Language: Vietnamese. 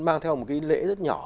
mang theo một cái lễ rất nhỏ